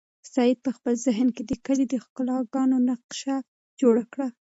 سعید په خپل ذهن کې د کلي د ښکلاګانو نقشه جوړه کړه.